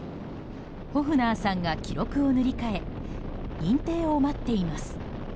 ホフナーさんが記録を塗り替え認定を待っています。